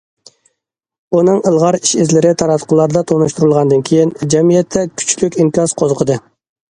ئۇنىڭ ئىلغار ئىش- ئىزلىرى تاراتقۇلاردا تونۇشتۇرۇلغاندىن كېيىن، جەمئىيەتتە كۈچلۈك ئىنكاس قوزغىدى.